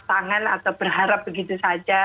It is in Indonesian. tangan atau berharap begitu saja